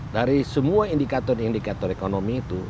dari semua indikator indikator ekonomi itu